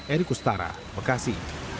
erik ustara bekasi